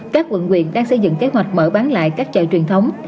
các quận quyện đang xây dựng kế hoạch mở bán lại các chợ truyền thống